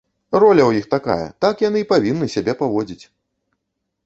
Роля ў іх такая, так яны і павінны сябе паводзіць!